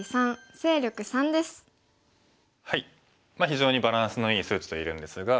非常にバランスのいい数値と言えるんですが。